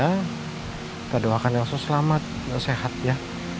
kita doakan elsa selamat dan sehat ya